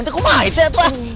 itu kok maite pak